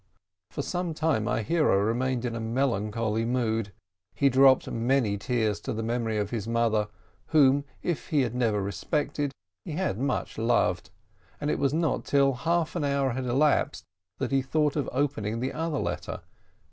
For some time our hero remained in a melancholy mood; he dropped many tears to the memory of his mother, whom, if he had never respected, he had much loved; and it was not till half an hour had elapsed, that he thought of opening the other letter.